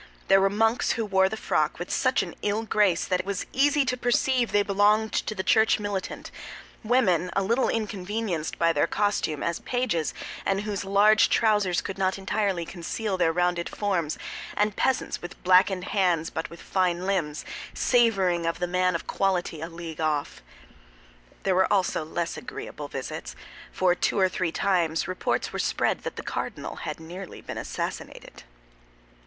There were monks who wore the frock with such an ill grace that it was easy to perceive they belonged to the church militant; women a little inconvenienced by their costume as pages and whose large trousers could not entirely conceal their rounded forms; and peasants with blackened hands but with fine limbs, savoring of the man of quality a league off. There were also less agreeable visits—for two or three times reports were spread that the cardinal had nearly been assassinated.